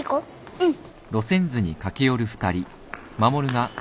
うん。